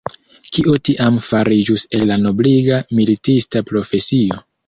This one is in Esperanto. Kio tiam fariĝus el la nobliga militista profesio?